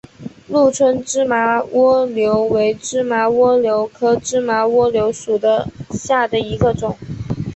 鹿村芝麻蜗牛为芝麻蜗牛科芝麻蜗牛属下的一个种。